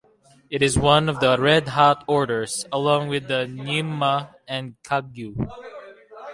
It is one of the Red Hat Orders along with the Nyingma and Kagyu.